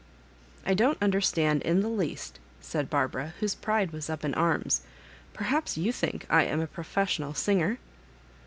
" I don't understand in the least," said Barbara, whose pride was up in arms. •* Perhaps you think I am a professional singer?"